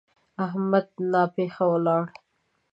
احمد ناپېښه ولاړ.